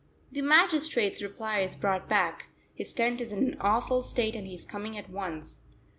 The magistrate's reply is brought back; his tent is in an awful state and he is coming at once.